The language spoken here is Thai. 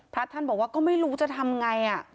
พระท่านบอกว่าก็ไม่รู้จะทำไง